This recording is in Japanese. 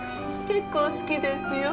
結構好きですよ。